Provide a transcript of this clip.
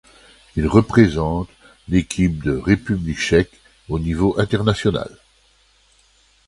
Il représente l'équipe de République tchèque au niveau international.